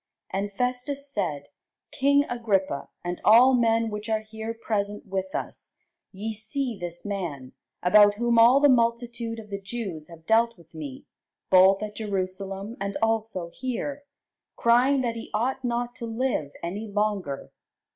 And Festus said, King Agrippa, and all men which are here present with us, ye see this man, about whom all the multitude of the Jews have dealt with me, both at Jerusalem, and also here, crying that he ought not to live any longer.